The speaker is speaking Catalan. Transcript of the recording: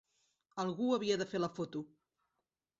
Algú havia de fer la foto.